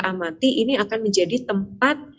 amati ini akan menjadi tempat